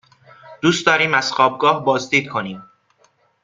دوست داریم از خوابگاه بازدید کنیم.